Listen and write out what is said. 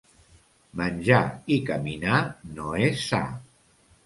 Menjar i caminar no és sa.